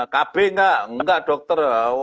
kb nggak enggak dokter